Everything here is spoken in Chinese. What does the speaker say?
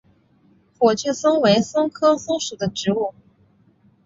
火炬松为松科松属的植物。